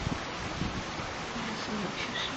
永元四年去世。